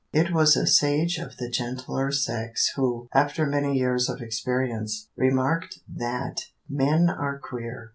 It was a sage of the gentler sex who, after many years of experience, remarked that "men are queer!"